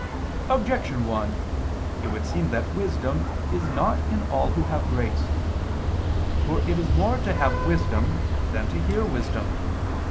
Objection 1: It would seem that wisdom is not in all who have grace. For it is more to have wisdom than to hear wisdom.